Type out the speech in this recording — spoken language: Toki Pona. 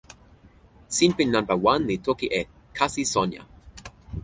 sinpin nanpa wan li toki e "kasi Sonja".